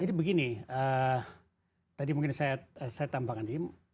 jadi begini tadi mungkin saya tambahkan